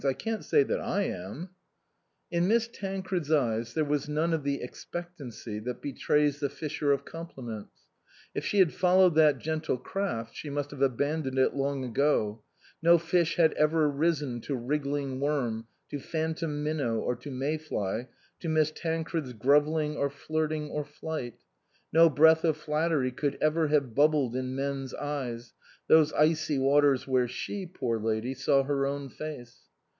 I can't say that I am." In Miss Tancred's eyes there was none of the expectancy that betrays the fisher of compli ments. If she had followed that gentle craft she must have abandoned it long ago ; no fish had ever risen to wriggling worm, to phantom min now or to May fly, to Miss Tancred's grovelling or flirting or flight ; no breath of flattery could ever have bubbled in men's eyes those icy waters where she, poor lady, saw her own face.